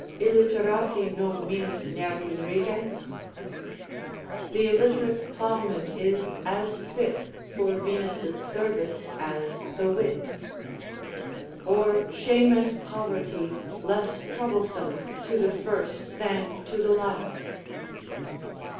Illiterati num minus nervi rigent? "Th' illiterate ploughman is as fit For Venus' service as the wit:" or shame and poverty less troublesome to the first than to the last?